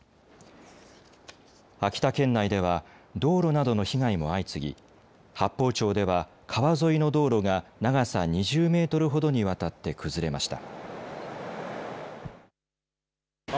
秋田県内では道路などの被害も相次ぎ八峰町では川沿いの道路が長さ２０メートルほどにわたって崩れました。